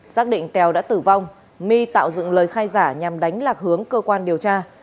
xác định tèo đã tử vong my tạo dựng lời khai giả nhằm đánh lạc hướng cơ quan điều tra